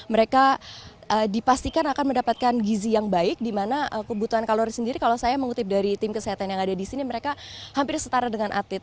mereka dipastikan akan mendapatkan gizi yang baik di mana kebutuhan kalori sendiri kalau saya mengutip dari tim kesehatan yang ada di sini mereka hampir setara dengan atlet